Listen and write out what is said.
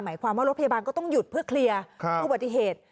หมายความว่ารถพยาบาลก็ต้องหยุดเพื่อเคลียร์อุบัติเหตุ